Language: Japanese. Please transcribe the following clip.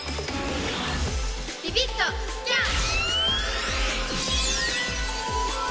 ビビッとスキャン！